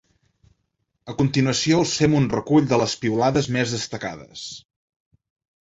A continuació us fem un recull de les piulades més destacades.